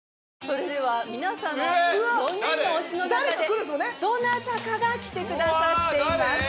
それでは皆さんの４人の推しの中でどなたかが来てくださっています。